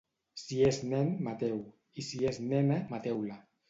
Si és nen Mateu i si és nena mateu-la